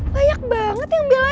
banyak banget yang belain